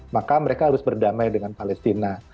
maka mereka harus berdamai dengan palestina